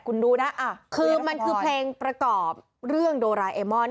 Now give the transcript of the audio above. คุณดูนะคือมันคือเพลงประกอบเรื่องโดราเอมอน